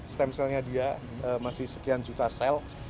stem cellnya dia masih sekian juta sel